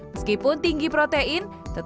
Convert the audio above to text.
meskipun tinggi protein